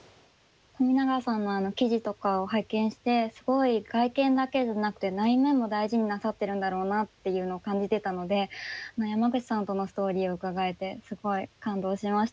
冨永さんの記事とかを拝見してすごい外見だけじゃなくて内面も大事になさってるんだろうなっていうのを感じてたので山口さんとのストーリーを伺えてすごい感動しました。